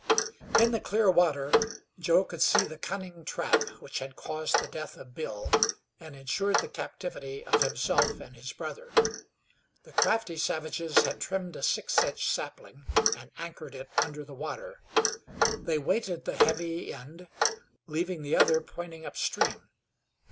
In the clear water Joe could see the cunning trap which had caused the death of Bill, and insured the captivity of himself and his brother. The crafty savages had trimmed a six inch sapling and anchored it under the water. They weighted the heavy end, leaving the other pointing upstream.